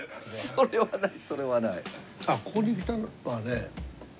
それはない。